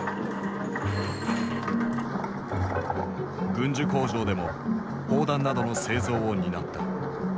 軍需工場でも砲弾などの製造を担った。